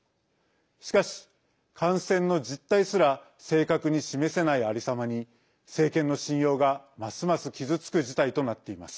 しかし、感染の実態すら正確に示せないありさまに政権の信用が、ますます傷つく事態となっています。